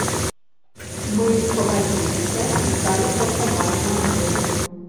Мы пагадзіліся і сталі працаваць над гэтым.